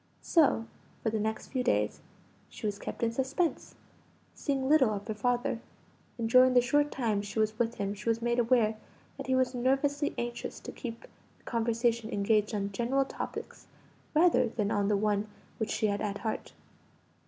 So for the next few days she was kept in suspense, seeing little of her father; and during the short times she was with him she was made aware that he was nervously anxious to keep the conversation engaged on general topics rather than on the one which she had at heart.